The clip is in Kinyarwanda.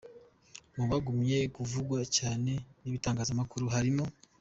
Mu bagumye kuvugwa cyane n’ibitangazamakuru harimo :